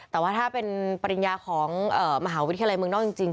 แต่ว่าถ้าเป็นปริญญาของมหาวิทยาลัยเมืองนอกจริง